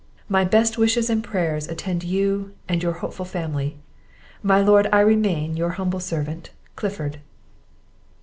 My best wishes and prayers attend you and your hopeful family. My lord, I remain your humble servant, "CLIFFORD."